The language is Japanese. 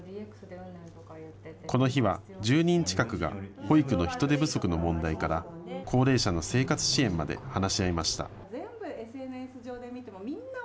この日は１０人近くが保育の人手不足の問題から高齢者の生活支援まで話し合いました。